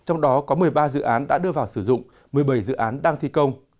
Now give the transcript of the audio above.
trong đó có một mươi ba dự án đã đưa vào sử dụng một mươi bảy dự án đang thi công